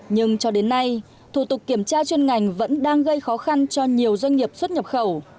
nhưng cho đến nay thủ tục kiểm tra chuyên ngành vẫn đang gây khó khăn cho nhiều doanh nghiệp xuất nhập khẩu